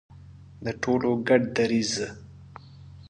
د ټولو ګډ دریځ.